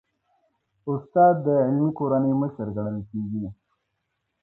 استاد د علمي کورنۍ مشر ګڼل کېږي.